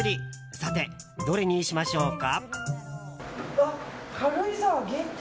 さて、どれにしましょうか？